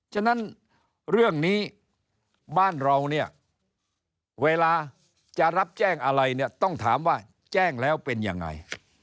ฉะนั้นเรื่องนี้บ้านเราเนี่ยเวลาจะรับแจ้งอะไรเนี่ยต้องถามว่าแจ้งแล้วเป็นยังไง